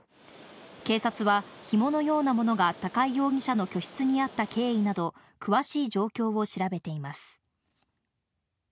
警察は、ひものようなものが高井容疑者の居室にあった経緯など、詳しい状況を調べています。